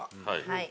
はい。